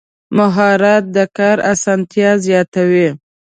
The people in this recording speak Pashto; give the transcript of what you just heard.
مهارت د کار اسانتیا زیاتوي.